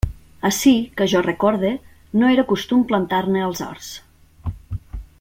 Ací, que jo recorde, no era costum plantar-ne als horts.